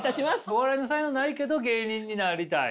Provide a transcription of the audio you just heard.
お笑いの才能ないけど芸人になりたい。